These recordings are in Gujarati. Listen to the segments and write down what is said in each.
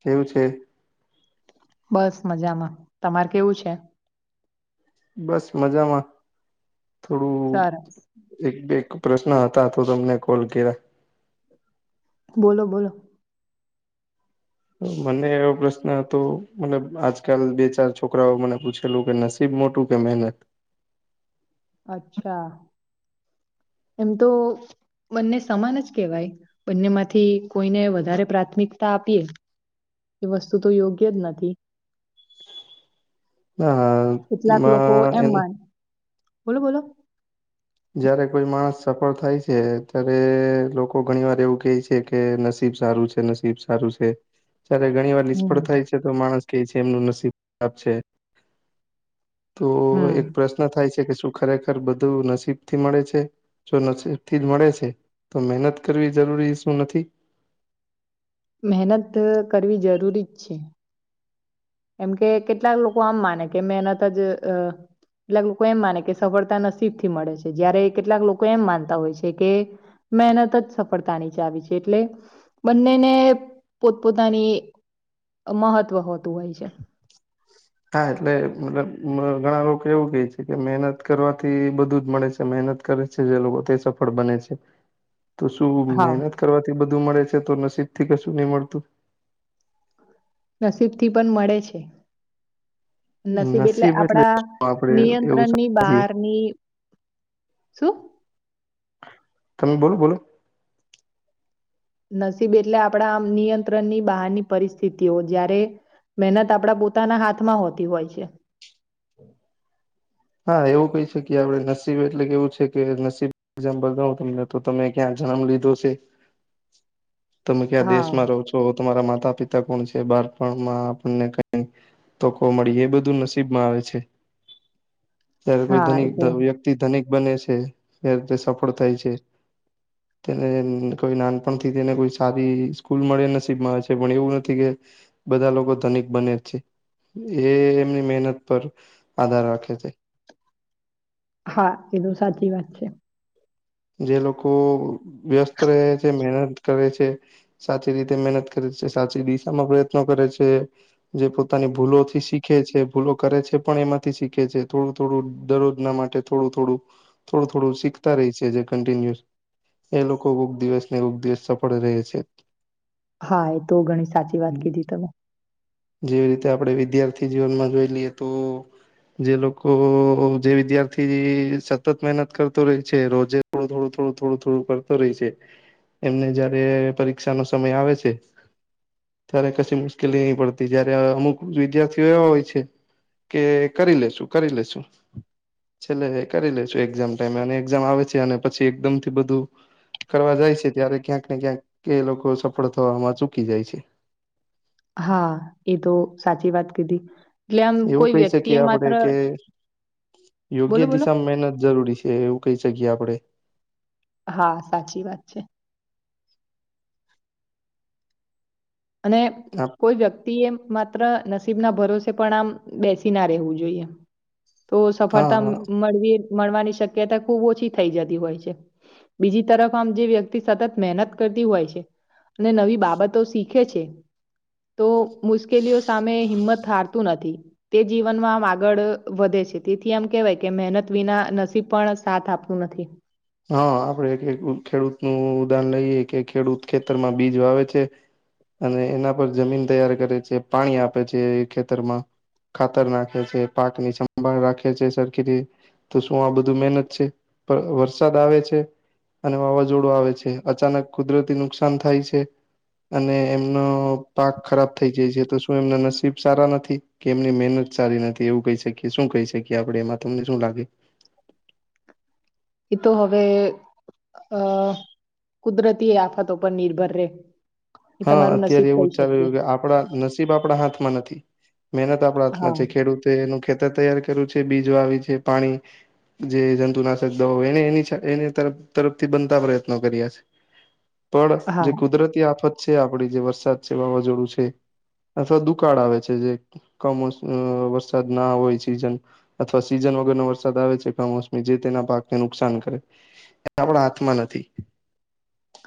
કેવું છે. બસ મજામાં તમારે કેવું છે. બસ મજામાં થોડું. સરસ એક બે એક પ્રશ્ન હતા તો તમને કોલ કર્યા. બોલો બોલો. મને એવો પ્રશ્ન હતો મને આજકાલ બે ચાર છોકરાઓ મને પૂછેલું કે ન. સિવ મોટુ કે મહેનત. અચ્છા એમ તો. બંને સમાન જ કેહેવાય બંને માંથી કોઈને વધારે પ્રાથમિકતા આપીએ. એ વસ્તુ તો યોગ્ય જ નથી. હા કેટલાક લોકો માં એનું એમમાં બોલો બોલો. જયારે કોઈ માણસ સફળ થાય છે ત્યારે લોકો ઘણી વાર એવું કેહે છે કે નસીબ સારું છે. નસીબ સારું છે. ત્યારે ઘણી વાર નિષ્ફળ હમ થાય છે તો માણસ કે છે એમનું નસીબ આપ છે. તો હમ એક પ્રશ્ન થાય છે કે શું ખરેખર બધું નસીબ. થી મળે છે જો નથી જ મળે છે તો મહેનત કરવી જરૂરી શું નથી. મહેનત કરવી જરૂરી જ છે. એમ કે કેટલાક લોકો આમ માને કેં એના તો જ. કેટલાક લોકો એમ માને કે સફળતા નસીબ થી મળે છે જયારે કેટલાક લોકો એમ માનતા હોય છે કે. મહેનત જ સફળતાની ચાવી છે એટલે. બંનેને પોતપોતાની મહત્વ હોતું હોય છે. છે. હા એટલે મતલબ ઘણા લોકો એવું કેહે છે કે મહેનત કરવાથી બધું જ મળે છે મહેનત. કરે છે જે ઉત સફળ બન છે. તો શું હા. મહેનત કરવાથી બધું મળે છે તો નસીબ થી કશું નહી મળતું. નસીબ થી પણ મળે છે. [inaudible] નસીબ એટલે આપડા શું આપડે એવું નિયંત્રણની સમજીએ બહારની. શું. તમે બોલો બોલો. નસીબ એટલે આપણા આમ નિયંત્રણની બહારની પરિસ્થિતિઓ જયારે. મહેનત આપણા પોતાના હાથમાં હોતી હોય છે. હા એવું કઈ છેકી આપડે નસીબ એટલે કેવું છે કે નસીબ. એઝામ્ બતા તમને તો તમે ક્યાં જન્મ લીધો છે. તમે ક્યાં હા દેશમાં રહો છો તમારા માતા પિતા કોણ છે બાળપણમાં આપણને કઈ. તોકો મળી એ બધું નસીબ માં આવે છે. જ્યારે કોઈ હા ધન એ તો વ્યક્તિ ધનિક બને છે ત્યારે તે સફળ થાય છે. તેને કોઈ નાનપણથી તેને કોઈ સારી સ્કૂલ મળે નસીબમાં આવે છે પણ એવું નથી કે. બધા લોકો ધનિક બને છે એ એમની મહેનત પર આધાર રાખે. [inaudible] હા એ તો સાચી વાત છે. જે લોકો વ્યસ્ત રહે છે મહેનત કરે છે. સાચી રીતે મહેનત કરે છે. સાચી દિશામાં પ્રયત્નો કરે છે. જે પોતાની ભૂલોથી શીખે છે. ભૂલો કરે છે, પણ એમાંથી શીખે છે થોડું થોડું દરરોજ ના માટે, થોડું થોડું થોડું થોડું શીખતા રહી છે જે કન્ટીન્યુઅસ એ લોકો કોક દિવસ ને કોક દિવસ સફળ રેહ છે હા એ તો ઘણી સાચી વાત કીધી તમે જેવી રીતે આપણે વિદ્યાર્થી જીવનમાં જોઈ લઈએ તો જે લોકો જે વિદ્યાર્થી સતત મહેનત કરતો રેય છે રોજે થોડું થોડું થોડું થોડું થોડું કરતો રેય છે એમને જયારે પરીક્ષાનો સમય આવે છે ત્યારે કશી મુશ્કેલી પડતી જયારે અમુક વિદ્યાર્થીઓ એવા હોય છે કે કરી લેશુ કરી લેશુ છેલ્લે કરી લેશુ એક્ઝામ ટાઈમે અને એક્ઝામ આવે છે અને પછી એકદમ થી બધું કરવા જાય છે ત્યારે ક્યાંક ને ક્યાંક એ લોકો સફળ થવામાં ચૂકી જાય છે. હા એ તો સાચી વાત કીધી એટલે આમ એવું કોઈ કહી શકીએ વ્યક્તિએ આપડે માત્ર કે બોલો, યોગ્ય બોલો. દિશામાં મહેનત જરૂરી છે એવું કઈ શકીએ આપડે હા સાચી વાત છે. અને કોઈ વ્યક્તિ થી એમ માત્ર નસીબના ભરોસે પણ આમ બેસી ના રહેવું જોઈએ તો સફળતા હા મળવી મળવાની શક્યતા ખુબ ઓછી થઈ જતી હોય છે બીજી તરફ આમ જે વ્યક્તિ સતત મહેનત કરતી હોય છે અને નવી બાબતો શીખ કે છે તો મુશ્કેલીઓ સામે હિંમત હારતું નથી તે જીવનમાં આમ આગળ વધે છે તેથી આમ કહેવાય કે મહેનત વિના નસીબ પણ સાથ આપતું નથી હા આપડે એક એક ખેડૂતનુ ઉદાહરણ લઈએ કે ખેડૂત ખેતરમાં બીજ વાવે છે અને એના પર જમીન તૈયાર કરે છે, પાણી આપે છે ખેતરમાં. ખાતર નાખે છે, પાક ની સંભાળ રાખે છે, સરખી રી તો શું આ બધું મહેનત છે વ વર વરસાદ આવે છે અને વાવાઝોડું આવે છે, અચાનક કુદરતી નુકસાન થાય છે. અને એમનો પાક ખરાબ થઈ જાય છે, તો શું એમના નસીબ સારા નથી. કે એમની મહેનત સારી નથી એવું કહી શકીએ શું કહી શકીએ આપણે એમાં તમને શું લાગે. એ તો હવે અ કુદરતી આફતો પર નિર્ભર રે. એ હા તમારું અત્યારે નસીબ એવું કહી જ ચાલી શકીએ રહ્યું કે આપડા નસીબ આપણા હાથમાં નથી. મહેનત આપણા હાથના હા છે, ખેડૂતે એનું ખેતર તૈયાર કર્યું છે, બીજ વાવી છે પાણી જે જંતુનાશક દવા એને એ એ તરફથી બનતા પ્રયત્નો કર્યા છે. પણ જે હા કુદરતી આફત છે, આપડી જે વરસાદ છે, વાવાઝોડું છે. અથવા દુકાળ આવે છે, જે કમોસમ વરસાદ ના હોય સિઝન અથવા સીઝન વગરનો વરસાદ આવે છે, કમોસમી જે તેના પાકને નુકસાન કરે. એ આપણા હાથમાં નથી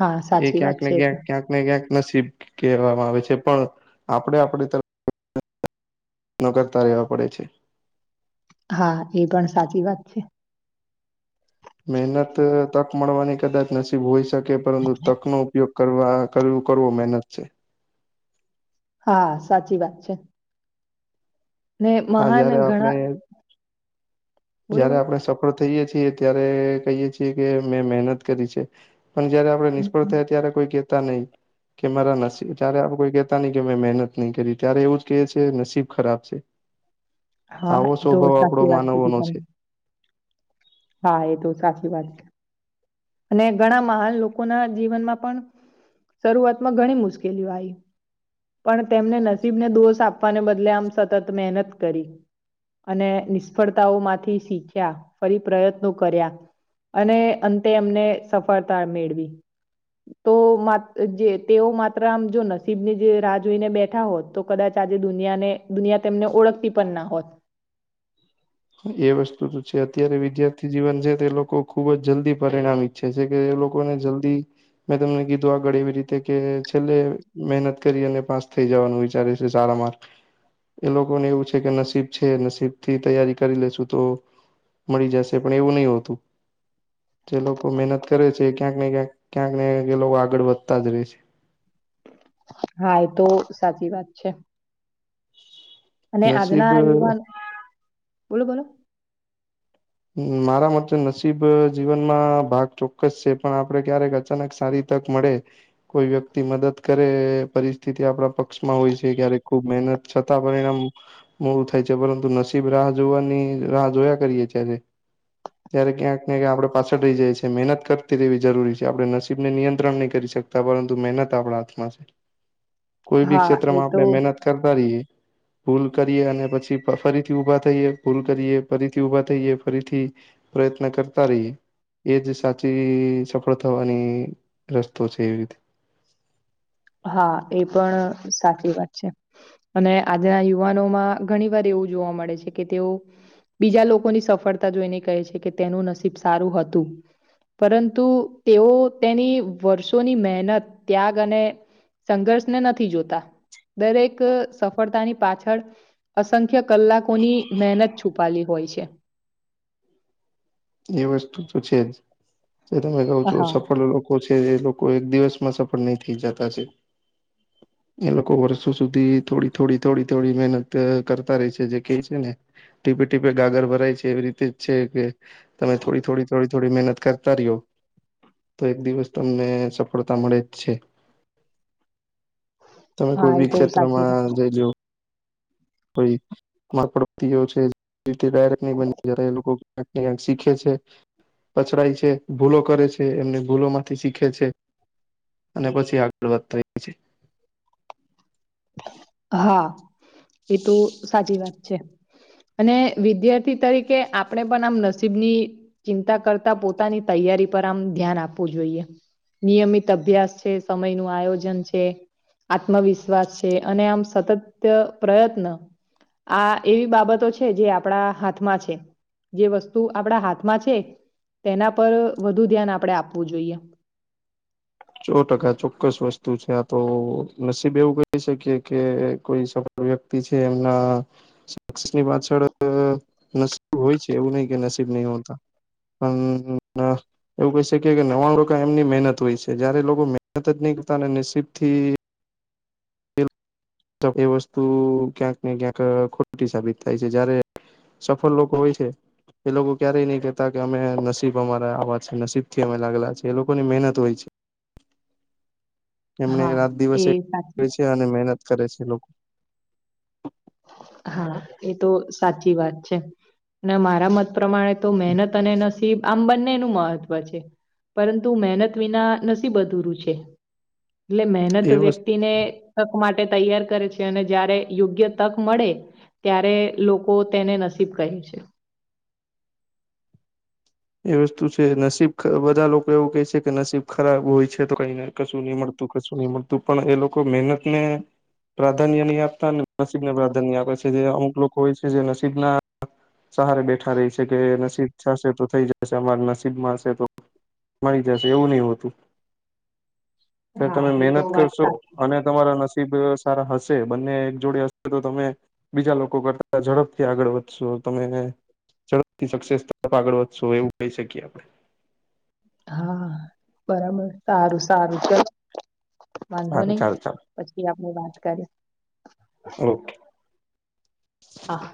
હા એ સાચી વાત ક્યાંક ને છે. એ તો. ક્યાંક - ક્યાંક ને ક્યાંક નસીબ કહેવામાં આવે છે, પણ આપડે આપણી તરફ નગરતા રહેવા પડે છે. હા એ પણ સાચી વાત છે. મહેનત તક મળવાની કદાચ નસીબ હોય શકે પરંતુ તક નો ઉપયોગ કરવા કરવુ કરવુ મહેનત છે. હા સાચી વાત છે. ને હા મહાન જયારે ઘણા આપણે બોલો જયારે બોલો આપણે સફળ થઈએ છીએ ત્યારે કહીએ છીએ કે મેં મહેનત કરી છે. પણ જયારે આપણે નિષ્ફળ થાય ત્યારે કોઈ કહેતા નહી. કે મારા નસીબ જ્યારે [unintelligible] કોઈ ક કેતા નહી કે મેં મહેનત નહી કરી ત્યારે એવું જ કે છે નસીબ ખરાબ છે. હા આવો એ તો સ્વભાવ આપડો સાચી વાત માનવવો કીધી નો છે. તમે હા એ તો સાચી વાત છે અને ઘણા મહાન લોકોના જીવનમાં પણ શરૂઆતમાં ઘણી મુશ્કેલીઓ આવી પણ તેમને નસીબને દોષ આપ આપાને બદલે આમ સતત મહેનત કરી અને નિષ્ફળતાઓ માંથી શીખ્યા ફરી પ્રયત્નો કર્યા અને અંતે એમને સફળતા મેળવી. તો જે તેઓ માત્ર આમ જો નસીબ ની જે રાહ જોઈને બેઠા હોત તો. કદાચ આજે દુનિયાને દુનિયા તેમને ઓળખતી પણ ના હોત. એ વસ્તુ તો છે અત્યારે વિદ્યાર્થી જીવન છે તે લોકો ખુબ જ જલ્દી પરિણામી છે છે કે એ લોકોને જલ્દી મેં તમને કીધું આગળ એવી રીતે કે છેલ્લે મહેનત કરી અને પાસ થઈ જવાનું વિચારે છે. સારા માર્ક થી એ લોકોને એવું છે કે નસીબ છે નસીબ થી તૈયારી કરી લેશું તો મળી જશે પણ એવું નહી હોતું. જે લોકો મહેનત કરે છે એ ક્યાંકને ક્યાંક ક્યાંક ને ક્યાંક એ લોકો આગળ વધતા જ રહે છે. હા એ તો સાચી વાત છે. અને નસીબ આજના યુવાન, બોલો બોલો. મારા માટે નસીબ જીવનમાં ભાગ ચોક્કસ છે પણ આપડે ક્યારેક અચાનક સારી તક મળે. કોઈ વ્યક્તિ મદદ કરે પરિસ્થિતિ આપણા પક્ષમાં હોય છે ક્યારેક ખૂબ મહેનત છતાં પરિણામ મોળું થાય છે પરંતુ નસીબ રાહ જોવાની રાહ જોયા કરીએે ત્યારે. ત્યારે ક્યાંક ને ક્યાંક આપડે પાછળ રહી જાય છીએ મહેનત કરતી રહેવી જરૂરી છે આપણે નસીબને નિયંત્રણ નહીં કરી શકું. પરંતુ મહેનત આપણા હાથમાં છે. કોઈ ભી હા ક્ષેત્રમાં એ તો આપણે મહેનત કરતા રહીએ ભૂલ કરીએ અને પછી ફરીથી ઉભા થઈએ, ભૂલ કરીએ ફરીથી ઊભા થઈએ. ફરીથી પ્રયત્ન કરતા રહીએ. એ જ સાચી સફળ થવાની રસ્તો છે એવી રીતે. હા એ પણ સાચી વાત છે. અને આજના યુવાનો માં ઘણી વાર એવું જોવા મળે છે કે તેઓ બીજા લોકોની સફળતા જોઈને કહે છે કે તેનું નસીબ સારું હતું. પરંતુ તેઓ તેની વર્ષોની મહેનત ત્યાગ અને સંઘર્ષને નથી જોતા દરેક સફળતાની પાછળ અસંખ્ય કલાકોની મહેનત છુપાયેલી હોય છે. એ વસ્તુ તો છે જ, જે તમે કમ છો હા, સફળ લો લોકો છે એ લોકો એક દિવસમાં સફળ નહી થઈ જતા છે. એ લોકો વર્ષો સુધી થોડી થોડી થોડી થોડી મહેનત કરતા રે છે જે કહે છે ને ટીપે ટીપે ગાગર ભરાય છે એવી રીતે જ છે કે તમે થોડી થોડી થોડી થોડી મહેનત કરતા રહ્યો. તો એક દિવસ તમને સફળતા મળે જ છે. તમે હા, કોઈ એ બી તો સાચી ક્ષેત્રમાં વાત. જઈ જો. કોઈ માર પડતી ઓ છે એથી ડાયરેક્ટ નહી બની જતા એ લોકો કંઇક કંઈ શીખે છે. પછરાય છે, ભૂલો કરે છે એમને ભૂલો માંથી શીખે છે. અને પછી આગળ વધતાય હા, એ તો સાચી વાત છે. અને વિદ્યાર્થી તરીકે આપણે પણ આમ નસીબની ચિંતા કરતા પોતાની તૈયારી પર આમ ધ્યાન આપવું જોઈએ. નિયમિત અભ્યાસ છે, સમય નું આયોજન છે, આત્મવિશ્વાસ છ છે અને આમ સતત પ્રયત્ન આ એવી બાબતો છે જે આપણા હાથમાં છે. જે વસ્તુ આપણા હાથમાં છે તેના પર વધુ ધ્યાન આપણેે આપવું જોઈએ. ચો ટકા ચોક્કસ વસ્તુ છે આ તો, નસીબ એવું કહી શકીએ કે કોઈ વ્યક્તિ છે એમના શસની પાછળ નસીબ હોય છે એવું નહિ કે નસીબ નહી હોતા. પણ અ એવું કહી શકીએ કે નવાણું લોકો એમની મહેનત હોય છે. જયારે લોકો મહેનત જ નહી કરતા નસીબ થી એ વસ્તુ ક્યાંક ને ક્યાંક ખોટી સાબિત થાય છે જયારે સફળ લોકો હોય છે. એ લોકો ક્યારેય નહી કેતા કે અમે નસીબ અમારા આવા છે નસીબ થી અમે લાગેલા છે એ લોકો ની મહેનત હોય છે. એમને હા રાત એ દિવસે એક સાચી ક્યા છે અને મહેનત કરે છે લોકો. હા એ તો સાચી વાત છે અને મારા મત પ્રમાણે તો મહેનત અને નસીબ આમ બંનેનું મહત્વ છે પરંતુ મહેનત વિના નસીબ અધૂરું છ એટલે મહેનત એ વસ્તુ વ્યક્તિને તક માટે તૈયાર કરે છે અને જયારે યોગ્ય તક મળે ત્યારે લોકો તેને નસીબ કહે છે એ વસ્તુ છે નસીબ બધા લોકો એવું કેહે છે કે નસીબ ખરાબ હોય છે તો કઈ ના કશું નહી મળતું કશું નહી મળતું પણ એ લોકો મહેનત ને પ્રાધાન્ય નહીં આપતા નસીબ ને પ્રાધાન્ય આપે છે જે અમુક લોકો હોય છે જે નસીબ ના સહારે બેઠા રહી છે કે નસીબ થશે તો થઈ જાય પ અમારે નસીબમાં હશે તો મળરી જશે એવું નહી હોતું તો હા તમે એ તો મહેનત વાત કરશો સાચી. અને તમારા નસીબ સારા હશે બંને એક જોડે હશે તો તમે બીજા લોકો કરતા ઝડપથી આગળ વધશો તમે એને ઝડપ થી સક્સેસ તરફ આગળ વધશો એવું કહી શકીએ આપડણે હા બરાબર સારું સારું ચાલો વાંધો સારું નહી ચાલ ચાલ પછી આપડે વાત કરી ઓકે હા